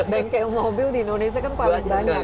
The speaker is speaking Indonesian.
bengkel mobil di indonesia kan paling banyak